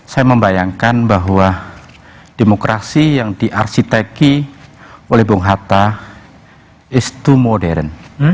saya membayangkan bahwa demokrasi yang diarsiteki oleh bung hatta itu modern